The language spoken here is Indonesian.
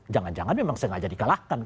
jangan jangan memang sengaja dikalahkan